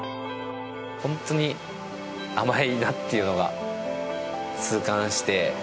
本当に甘いなっていうのが痛感して。